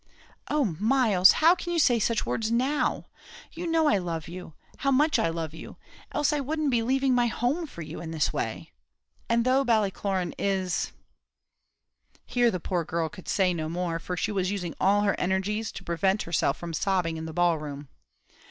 "Oh! Myles, how can you say such words now! you know I love you how much I love you else I wouldn't be leaving my home for you this way! And though Ballycloran is " Here the poor girl could say no more; for she was using all her energies to prevent herself from sobbing in the ball room.